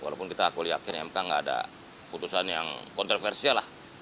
walaupun kita aku yakin mk gak ada putusan yang kontroversial lah